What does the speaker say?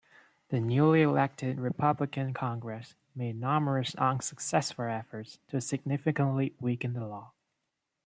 The newly elected Republican Congress made numerous unsuccessful efforts to significantly weaken the law.